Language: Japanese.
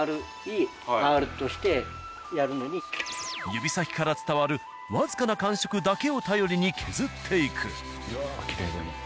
指先から伝わる僅かな感触だけを頼りに削っていく。